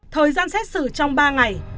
thời gian xét xử trong ba ngày